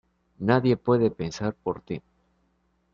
Nadie puede pensar por ti.